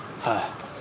はい。